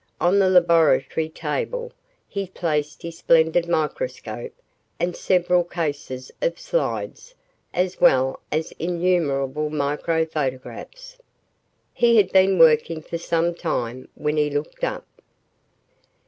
On the laboratory table he placed his splendid microscope and several cases of slides as well as innumerable micro photographs. He had been working for some time when he looked up.